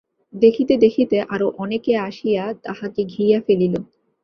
দেখিতে দেখিতে আরো অনেকে আসিয়া তাঁহাকে ঘিরিয়া ফেলিল।